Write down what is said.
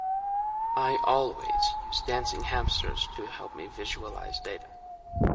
I always use dancing hamsters to help me visualise data.